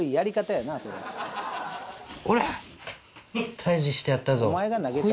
退治してやったぞ。